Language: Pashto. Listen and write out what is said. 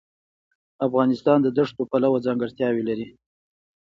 افغانستان د دښتو پلوه ځانګړتیاوې لري.